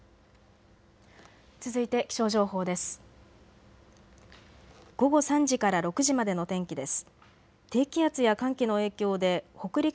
続いて気象情報です。